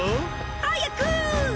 早く！